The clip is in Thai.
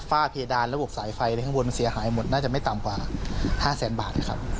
เพดานระบบสายไฟอะไรข้างบนมันเสียหายหมดน่าจะไม่ต่ำกว่า๕แสนบาทนะครับ